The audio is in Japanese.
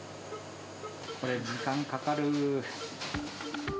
これ、時間かかるー。